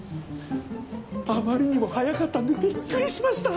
あまりにも早かったんでびっくりしました。